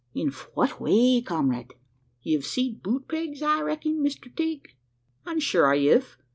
in fwhat way, comrade?" "You've seed boot pegs, I recking, Mister Tigg?" "An' shure I hiv.